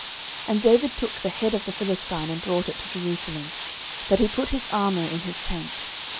09:017:054 And David took the head of the Philistine, and brought it to Jerusalem; but he put his armour in his tent.